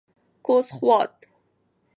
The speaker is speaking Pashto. کوز خوات: